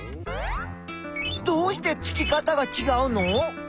どうしてつき方がちがうの？